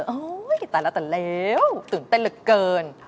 ตายแล้วตายแล้วตื่นเต้นเหลือเกิน